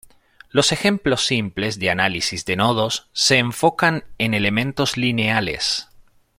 Los ejemplos simples de análisis de nodos se enfocan en elementos lineales.